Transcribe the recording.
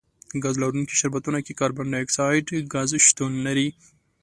ګاز لرونکي شربتونو کې کاربن ډای اکسایډ ګاز شتون لري.